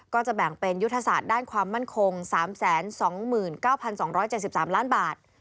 ก็จะแบ่งเป็นยุทธศาสตร์ด้านความมั่นคง๓๒๙๒๗๓ล้านบาท